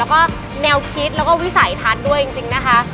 แล้วก็แนวคิดแล้วก็วิสัยทัศน์ด้วยจริงนะคะ